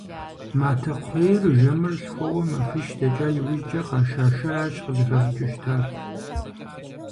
Матэкхъуейр жэмыр лъхуэуэ махуищ дэкӀа иужькӀэ къаша шэращ къызыхащӀыкӀыу щытар.